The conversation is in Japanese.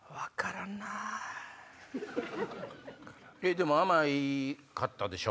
でも甘かったでしょ？